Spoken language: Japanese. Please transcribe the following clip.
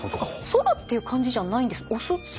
反るっていう感じじゃないんです押す。